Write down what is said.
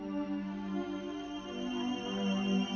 aku sudah berjalan